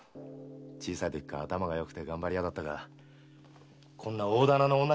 小さいときから頭がよくて頑張り屋だったがこんな大店の女